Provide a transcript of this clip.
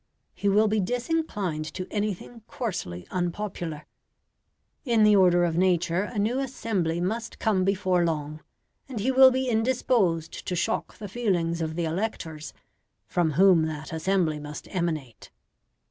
He will be disinclined to anything coarsely unpopular. In the order of nature, a new assembly must come before long, and he will be indisposed to shock the feelings of the electors from whom that assembly must emanate.